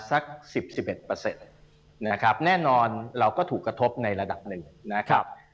ซัก๑๐๑๑แน่นอนเราก็ถูกกระทบในระดับหนึ่ง